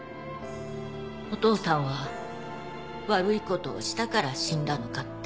お父さんは悪いことをしたから死んだのかって。